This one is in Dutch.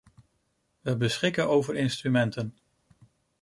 We beschikken over instrumenten.